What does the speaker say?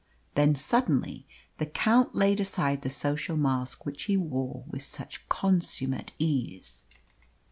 Then suddenly the Count laid aside the social mask which he wore with such consummate ease.